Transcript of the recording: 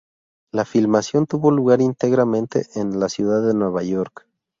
La filmación tuvo lugar íntegramente en la ciudad de Nueva York.